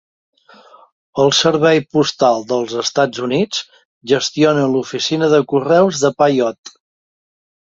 El Servei postal del Estats Units gestiona l'oficina de correus de Pyote.